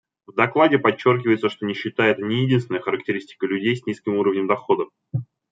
В докладе подчеркивается, что нищета — это не единственная характеристика людей с низким уровнем дохода.